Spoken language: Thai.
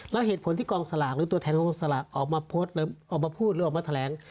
แล้วเหตุผลที่กองสลากหรือตัวแทนกองสลากออกมาพูดหรือออกมาแถลง